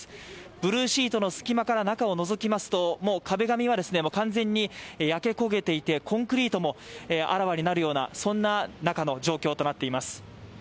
ブルーシートの隙間から中をのぞきますと、もう壁紙は完全に焼け焦げていてコンクリートもあらわになるような中の状況となっています。